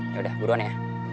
yaudah berduan ya